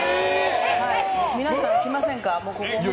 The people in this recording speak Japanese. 皆さん、来ませんか。